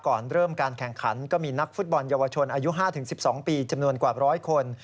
ก่อนเริ่มการแข่งขันก็มีนักฟุตบอลเยาวชนอายุ๕๑๒ปีจำนวนกว่า๑๐๐คน